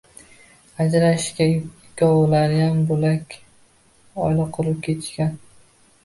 -Ajrashishgan, ikkovlariyam bo’lak oila qurib ketishgan.